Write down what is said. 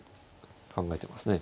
考えてますね。